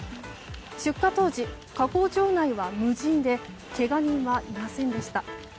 出火当時、加工場内は無人でけが人はいませんでした。